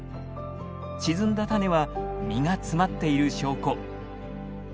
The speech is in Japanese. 沈んだ種は実が詰まっている証拠。